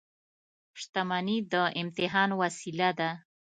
• شتمني د امتحان وسیله ده.